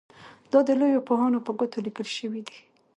دا د لویو پوهانو په ګوتو لیکل شوي دي.